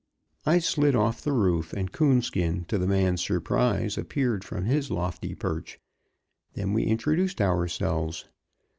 I slid off the roof, and Coonskin, to the man's surprise, appeared from his lofty perch; then we introduced ourselves.